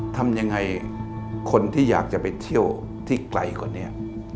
ทำยังไงคนที่อยากจะไปเที่ยวที่ไกลกว่านี้